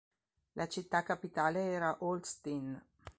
La città capitale era Olsztyn.